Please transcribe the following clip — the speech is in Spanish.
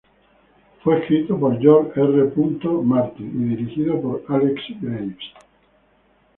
Fue escrito por George R. R. Martin y dirigido por Alex Graves.